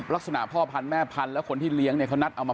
ลักษณะพ่อพันธ์แม่พันธ์และคนที่เลี้ยงเนี้ยเขานัดเอามา